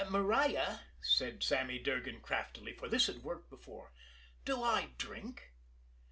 "Maria," said Sammy Durgan craftily, for this had worked before, "do I drink?"